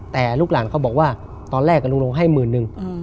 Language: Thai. แต่ลูกหลานเขาบอกว่าตอนแรกกับลุงลงให้หมื่นนึง